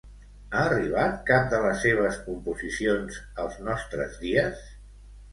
Ha arribat cap de les seves composicions als nostres dies?